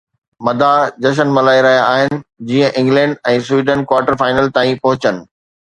مداح جشن ملهائي رهيا آهن جيئن انگلينڊ ۽ سويڊن ڪوارٽر فائنل تائين پهچن